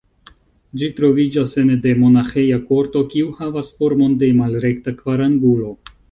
Ĝi troviĝas ene de monaĥeja korto, kiu havas formon de malrekta kvarangulo.